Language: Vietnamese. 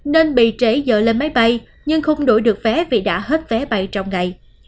nên bị trễ dợ lên máy bay nhưng không đổi được vé vì đã hết vé bay trong ngày